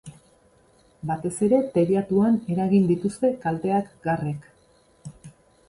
Batez ere teilatuan eragin dituzte kalteak garrek.